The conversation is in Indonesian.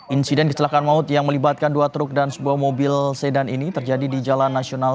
insiden kecelakaan maut yang melibatkan dua truk dan sebuah mobil sedan ini terjadi di jalan nasional